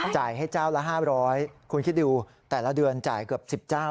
จ่ายให้เจ้าละ๕๐๐คุณคิดดูแต่ละเดือนจ่ายเกือบ๑๐เจ้า